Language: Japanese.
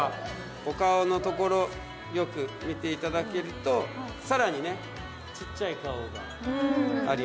お顔のところよく見ていただけるとさらにちっちゃい顔があります。